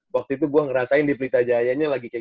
waktu itu gue ngerasain di blitajaya